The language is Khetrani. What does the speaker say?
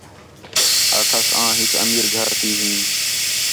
آکھاس آں ہِک امیر گھر تی ہی